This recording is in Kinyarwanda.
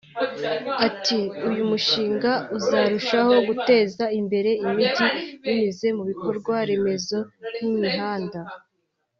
Ati ”Uyu mushinga uzarushaho guteza imbere imijyi binyuze mu bikorwa remezo nk’imihanda